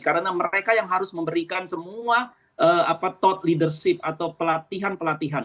karena mereka yang harus memberikan semua thought leadership atau pelatihan pelatihan